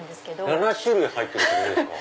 ７種類入ってるってことですか？